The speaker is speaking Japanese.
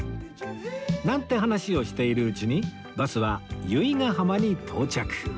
なんて話をしているうちにバスは由比ヶ浜に到着